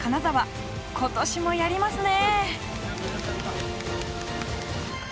今年もやりますね。